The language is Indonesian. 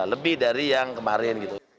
lebih dari yang kemarin